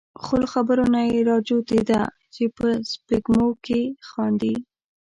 خو له خبرو نه یې را جوتېده چې په سپېږمو کې خاندي.